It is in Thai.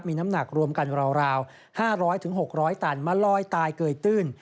มีน้ำหนักรวมกันราว๕๐๐๖๐๐ตันมาลอยตายเกยตื้น